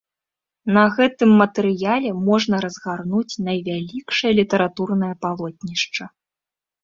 На гэтым матэрыяле можна разгарнуць найвялікшае літаратурнае палотнішча.